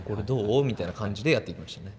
みたいな感じでやっていましたね。